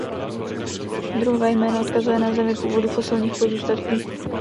Druhové jméno odkazuje na zemi původu fosilních pozůstatků.